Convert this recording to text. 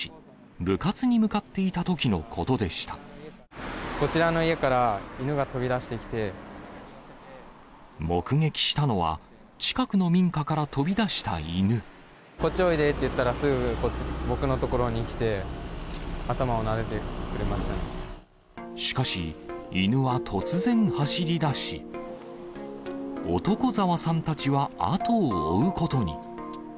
部活に向かっていたときのことでこちらの家から、犬が飛び出目撃したのは、こっちおいでって言ったら、すぐ僕の所に来て、しかし、犬は突然走りだし、男沢さんたちは後を追うことに。